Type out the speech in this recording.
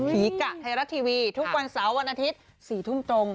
กะไทยรัฐทีวีทุกวันเสาร์วันอาทิตย์๔ทุ่มตรง